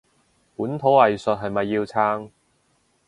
本土藝術係咪要撐？